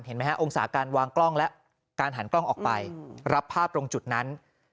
เห็นไหมฮะองศาการวางกล้องและการหันกล้องออกไปรับภาพตรงจุดนั้น